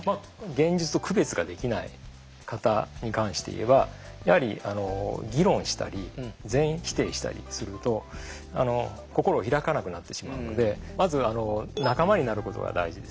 現実と区別ができない方に関していえばやはり議論したり全否定したりすると心を開かなくなってしまうのでまず仲間になることが大事ですよね。